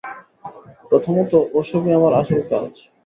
প্রথমত, ওসবই আমার আসল কাজ।